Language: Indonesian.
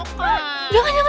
jangan jangan jangan